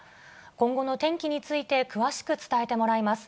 今後の天気について詳しく伝えてもらいます。